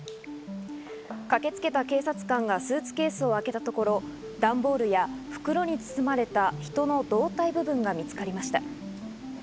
駆けつけた警察官がスーツケースを開けたところ、段ボールや袋に包まれた人の胴体部分が見つかりました。